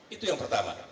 itu yang pertama